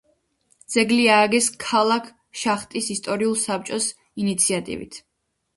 ძეგლი ააგეს ქალაქ შახტის ისტორიული საბჭოს ინიციატივით.